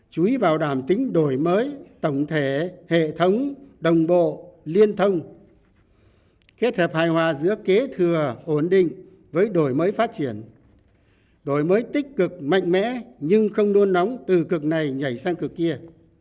chú ý bảo đảm tính đổi mới tổng thể hệ thống đồng bộ liên thông kết hợp hài hòa giữa kế thừa ổn định với đổi mới phát triển đổi mới tích cực mạnh mẽ nhưng không đun nóng từ cực này nhảy sang cực kia